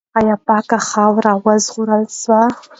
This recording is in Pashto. آیا پاکه خاوره وژغورل سوه؟